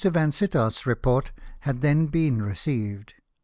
Vansittart's report had then been received.